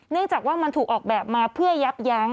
จากว่ามันถูกออกแบบมาเพื่อยับยั้ง